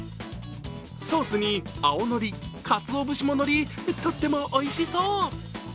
ソースに青のり、かつお節ものりとってもおいしそう。